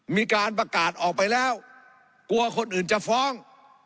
มีการประกาศออกไปแล้วกลัวคนอื่นจะฟ้อง